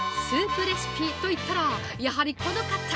スープレシピと言ったら、やはりこの方！